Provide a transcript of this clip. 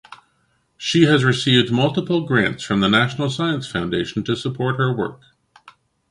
She has received multiple grants from the National Science Foundation to support her work.